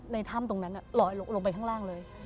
ในถ้ำตรงนั้นลอยลงไปข้างล่างเลย